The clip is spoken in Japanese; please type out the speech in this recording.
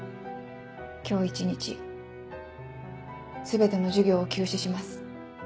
今日一日全ての授業を休止します。